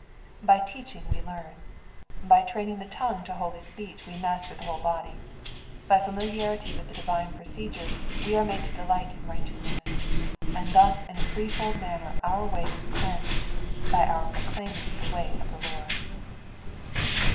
By teaching we learn ; by training the tongue to holy speech we master the whole body ; by familiarity with the divine procedure we are made to delight in righteousness ; and thus in a threef6ld manner our way is cleansed by our proclaiming the way of the Lord.